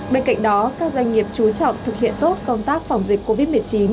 bên cạnh đó các doanh nghiệp chú trọng thực hiện tốt công tác phòng dịch covid một mươi chín